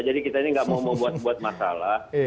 jadi kita ini tidak mau membuat masalah